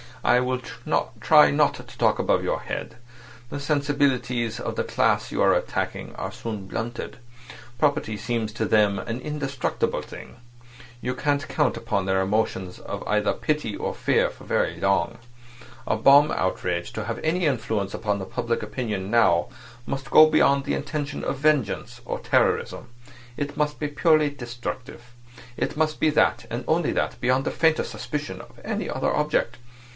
I will try not to talk above your head. The sensibilities of the class you are attacking are soon blunted. Property seems to them an indestructible thing. You can't count upon their emotions either of pity or fear for very long. A bomb outrage to have any influence on public opinion now must go beyond the intention of vengeance or terrorism. It must be purely destructive. It must be that, and only that, beyond the faintest suspicion of any other object.